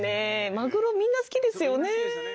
マグロみんな好きですよね。